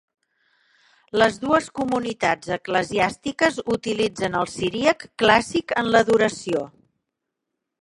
Les dues comunitats eclesiàstiques utilitzen el siríac clàssic en l'adoració.